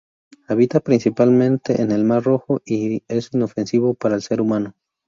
Habita principalmente en el Mar Rojo y es inofensivo para el ser humano.